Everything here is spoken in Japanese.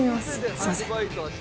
すいません。